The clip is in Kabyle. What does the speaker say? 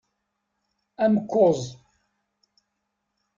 Amekkuẓ.